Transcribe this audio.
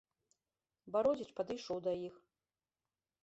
Бародзіч падышоў да іх.